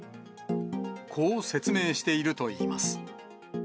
こう説明しているといいます。